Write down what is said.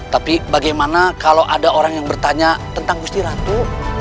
tapi bagaimana kalau ada orang yang bertanya tentang gusti ratu